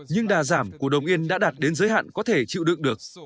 nhưng đà giảm của đồng yên đã đạt đến giới hạn có thể chịu đựng được